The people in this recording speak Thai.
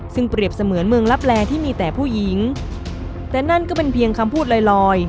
ซึ่งเปรียบเสมือนเมืองลับแลที่มีแต่ผู้หญิงแต่นั่นก็เป็นเพียงคำพูดลอยลอย